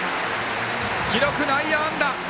記録、内野安打。